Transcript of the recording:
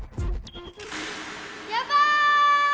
・やばい！